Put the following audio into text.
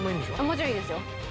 もちろんいいですよ。